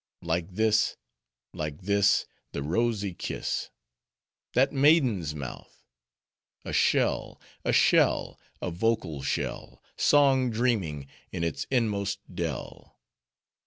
Like this, like this,— The rosy kiss!— That maiden's mouth. A shell! a shell! A vocal shell! Song dreaming, In its inmost dell!